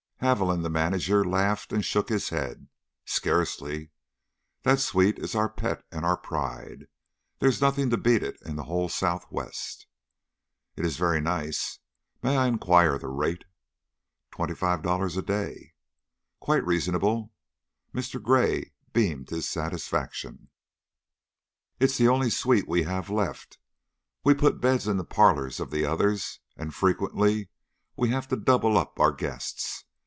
Haviland, the manager, laughed and shook his head. "Scarcely! That suite is our pet and our pride. There's nothing to beat it in the whole Southwest." "It is very nice. May I inquire the rate?" "Twenty five dollars a day." "Quite reasonable." Mr. Gray beamed his satisfaction. "It is the only suite we have left. We've put beds in the parlors of the others, and frequently we have to double up our guests.